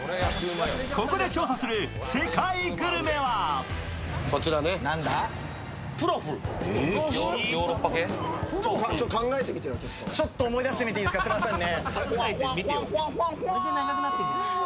ここで調査する世界グルメはちょっと思い出してみていいですか、すみません。